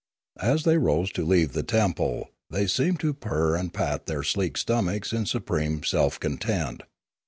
A3 they rose to leave the temple, they seemed to purr and pat their sleek stomachs in supreme self content.